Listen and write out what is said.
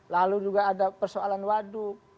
lalu juga ada persoalan waduk